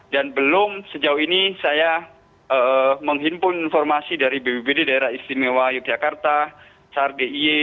belum sejauh ini saya menghimpun informasi dari bpbd daerah istimewa yogyakarta sar d i e